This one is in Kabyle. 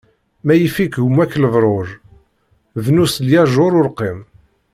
Ma yif-ik gma-k lebṛuj, bnu s lyajuṛ urqim.